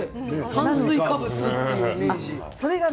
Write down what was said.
炭水化物というイメージが。